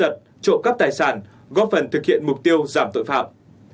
tài sản góp phần thực hiện mục tiêu giảm tội phạm